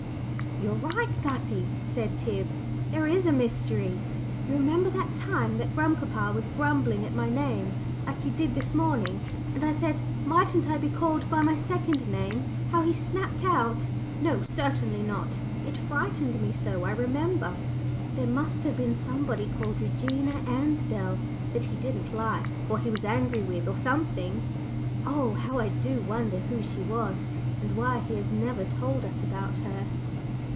"You're right, Gussie," said Tib; "there is a mystery. You remember that time that grandpapa was grumbling at my name like he did this morning and I said, 'Mightn't I be called by my second name?' how he snapped out, 'No, certainly not.' It frightened me so, I remember. There must have been somebody called 'Regina Ansdell' that he didn't like, or he was angry with, or something. Oh! how I do wonder who she was, and why he has never told us about her?"